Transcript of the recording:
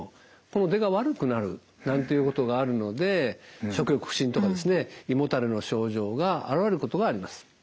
この出が悪くなるなんていうことがあるので食欲不振とかですね胃もたれの症状が現れることがあります。